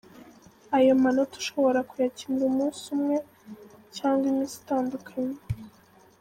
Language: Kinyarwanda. Ayo manota ushobora kuyakinira Umunsi umwe cyangwa iminsi itandukanye.